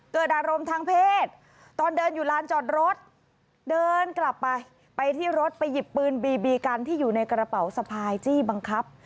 เกิดอารมณ์ทางเพศตอนเดินอยู่ลานจอดรถเดินกลับไปไปที่รถไปหยิบปืนบีบีกันที่อยู่ในกระเป๋าสะพายจี้บังคับ